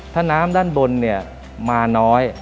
ถ้าน้ำด้านบนมาน้อย